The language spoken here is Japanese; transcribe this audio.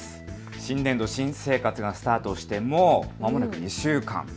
新年度、新生活がスタートしてまもなく２週間。